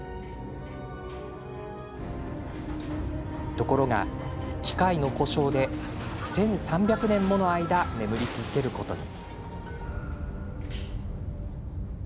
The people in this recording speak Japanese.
ところが機械の故障で１３００年もの間眠り続けることに。